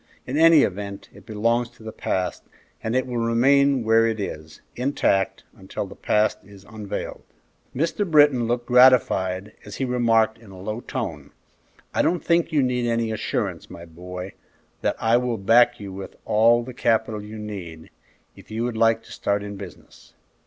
In any event, it belongs to the past, and it will remain where it is, intact, until the past is unveiled." Mr. Britton looked gratified, as he remarked, in a low tone, "I don't think you need any assurance, my boy, that I will back you with all the capital you need, if you would like to start in business."